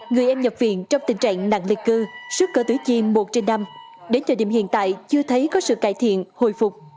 người em nhập viện trong tình trạng nặng liệt cơ sức cơ tưới chiêm một trên năm đến thời điểm hiện tại chưa thấy có sự cải thiện hồi phục